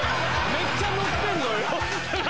めっちゃノッてんのよ。